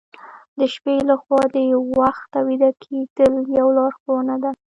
د شپې له خوا د وخته ویده کیدل یو لارښوونه ده.